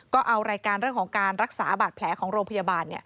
ก็เอารายการเรื่องของการรักษาบาดแผลของโรงพยาบาล